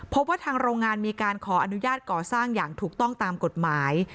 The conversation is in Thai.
พบว่าทางโรงงานมีการขออนุญาตก่อสร้างอย่างถูกต้องตามกฎหมาย